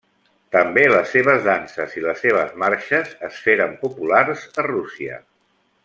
També les seves danses i les seves marxes es feren populars a Rússia.